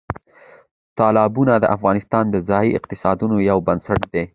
تالابونه د افغانستان د ځایي اقتصادونو یو بنسټ دی.